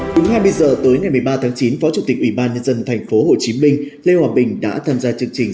đúng ngay bây giờ tới ngày một mươi ba tháng chín phó chủ tịch ubnd tp hcm lê hoàng bình đã tham gia chương trình